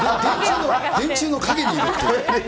電柱の陰にいるという。